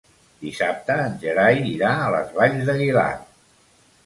Dissabte en Gerai irà a les Valls d'Aguilar.